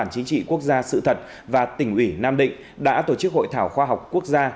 chính trị quốc gia sự thật và tỉnh ủy nam định đã tổ chức hội thảo khoa học quốc gia